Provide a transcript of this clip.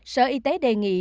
sở y tế đề nghị